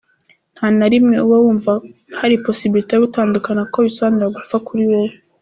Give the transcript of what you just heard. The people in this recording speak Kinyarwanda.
Nta na rimwe uba wumva hari possibilite yo gutandukana kuko bisobanura gupfa kuri wowe.